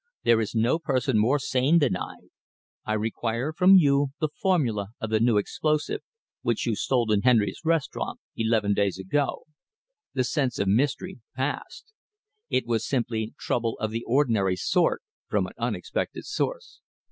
"There is no person more sane than I. I require from you the formula of the new explosive, which you stole in Henry's restaurant eleven days ago." The sense of mystery passed. It was simply trouble of the ordinary sort from an unexpected source.